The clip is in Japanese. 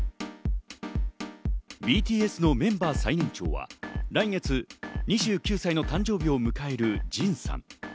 ＢＴＳのメンバー最年長は来月２９歳の誕生日を迎えるＪＩＮさん。